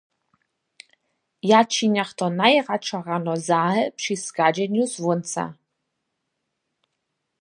Ja činjach to najradšo rano zahe při schadźenju słónca.